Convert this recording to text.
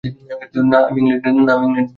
না আমি ইংল্যান্ডের না।